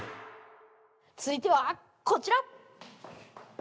つづいてはこちら！